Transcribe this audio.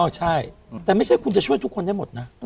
ใช่แต่ไม่ใช่คุณจะช่วยทุกคนได้หมดนะ